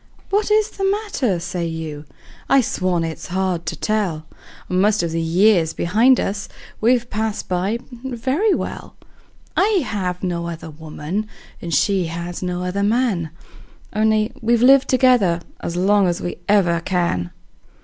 "What is the matter?" say you. I swan it's hard to tell! Most of the years behind us we've passed by very well; I have no other woman, she has no other man Only we've lived together as long as we ever can.